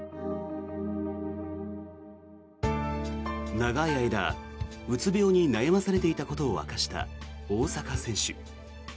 長い間うつ病に悩まされていたことを明かした大坂選手。